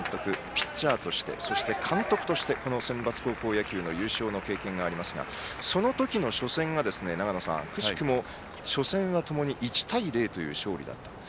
ピッチャーとして、監督としてセンバツ高校野球の優勝の経験がありますがその時の初戦が長野さん、くしくも初戦は共に１対０という勝利だったと。